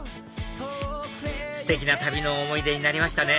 ステキな旅の思い出になりましたね